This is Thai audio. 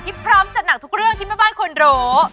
พร้อมจัดหนักทุกเรื่องที่แม่บ้านควรรู้